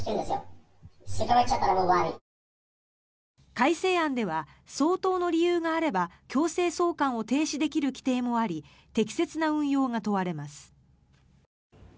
改正案では相当の理由があれば強制送還を停止できる規定もあり適切な運用が問われます。